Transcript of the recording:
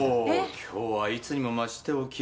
今日はいつにも増してお奇麗ですね。